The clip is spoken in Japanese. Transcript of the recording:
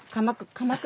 鎌倉？